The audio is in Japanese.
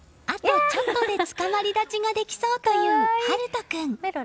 あとちょっとでつかまり立ちができそうという悠斗君。